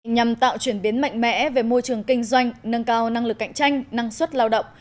nhằm tạo chuyển biến mạnh mẽ về môi trường kinh doanh nâng cao năng lực cạnh tranh năng suất lao động